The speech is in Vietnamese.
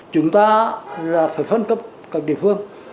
chúng ta là phải phân cấp các địa phương